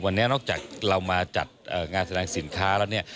วันนี้นอกจากเรามาจัดงานสนามสินค้าแล้ว